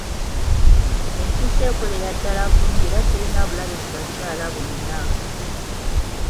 Empiso ekolera ddala bulungi era terina bulabe ku bakyala bonna.